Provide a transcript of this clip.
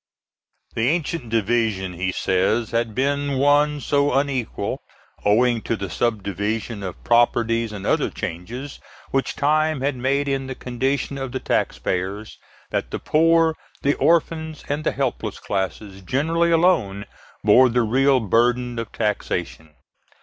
"The ancient division," he says, "had been one so unequal, owing to the subdivision of properties and other changes which time had made in the condition of the taxpayers, that the poor, the orphans, and the helpless classes generally alone bore the real burden of taxation."